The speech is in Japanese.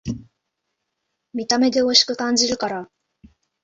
見た目でおいしく感じるから